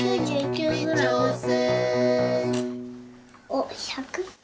おっ１００。